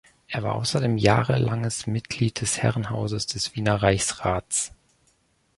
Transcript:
Er war außerdem jahrelanges Mitglied des Herrenhauses des Wiener Reichsrats.